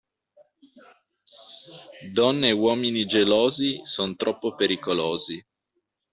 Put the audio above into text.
Donne e uomini gelosi son troppo pericolosi.